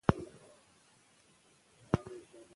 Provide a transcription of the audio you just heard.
افغانستان د طبیعي منابعو د ساتنې لپاره ستر ظرفیت لري.